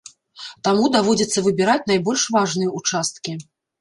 Таму даводзіцца выбіраць найбольш важныя ўчасткі.